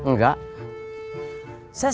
saya siap kalau mau ditugasin lagi